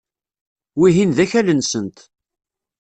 Wihin d akal-nsent.